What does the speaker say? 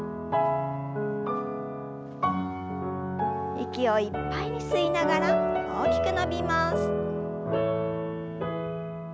息をいっぱいに吸いながら大きく伸びます。